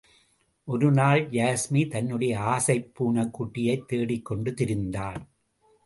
ஒரு நாள் யாஸ்மி தன்னுடைய ஆசைப் பூனைக்குட்டியைத் தேடிக் கொண்டு திரிந்தாள்.